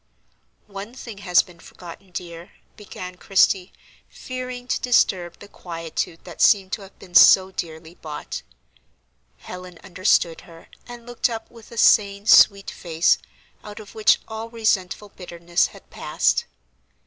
"One thing has been forgotten, dear," began Christie, fearing to disturb the quietude that seemed to have been so dearly bought. Helen understood her, and looked up with a sane sweet face, out of which all resentful bitterness had passed.